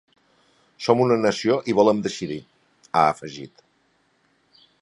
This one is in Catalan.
Som una nació i volem decidir, ha afegit.